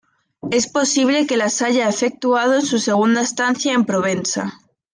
Es posible que las haya efectuado en su segunda estancia en Provenza.